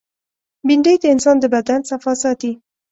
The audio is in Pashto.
بېنډۍ د انسان د بدن صفا ساتي